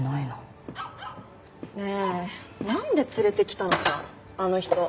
ねえなんで連れてきたのさあの人。